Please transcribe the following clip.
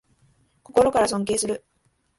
心から尊敬する